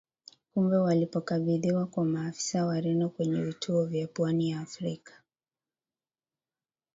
Kumbe walipokabidhiwa kwa maafisa Wareno kwenye vituo vya pwani ya Afrika